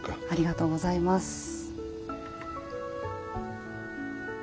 ありがとうございます。